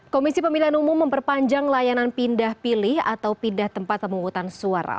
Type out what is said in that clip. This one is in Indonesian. komisi pemilihan umum memperpanjang layanan pindah pilih atau pindah tempat pemungutan suara